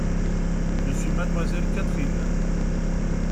Je suis mademoiselle Catherine.